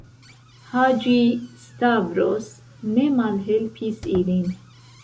Haĝi-Stavros ne malhelpis ilin.